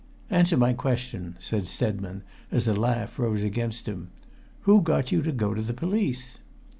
"Answer my question!" said Stedman, as a laugh rose against him. "Who got you to go to the police?"